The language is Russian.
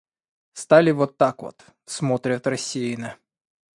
Стали вот так вот — смотрят рассеянно.